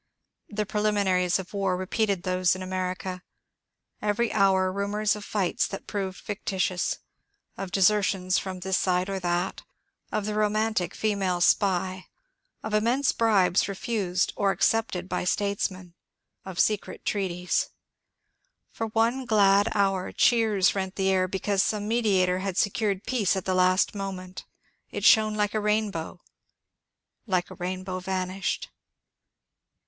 The preliminaries of the war repeated those in America. Every hour rumours of fights that proved fictitious ; of de sertions from this side or that ; of the romantic female spy ; of immense bribes refused or accepted by statesmen ; of se cret treaties. For one glad hour cheers rent the air because some mediator had secured peace at the last moment; it shone like a rainbow, like a rainbow vanished.